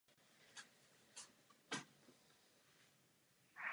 Budova na Havlíčkově náměstí má být přebudována pro potřeby sousedního úřadu městské části.